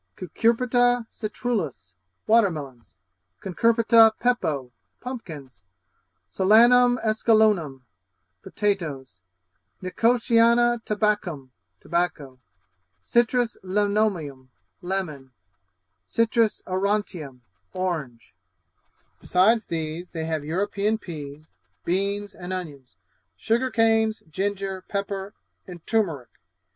Cucurbita citrullus Water melons Cucurbita pepo Pumpkins. Solanum esculenlum Potatoes. Nicotiana tabaccum Tobacco. Citrus lemoneum Lemon. aurantium Orange. Besides these they have European peas, beans, and onions; sugar canes, ginger, pepper, and turmeric.